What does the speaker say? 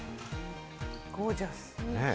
ゴージャス！